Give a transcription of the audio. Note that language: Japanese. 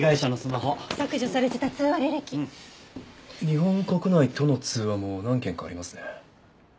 日本国内との通話も何件かありますね。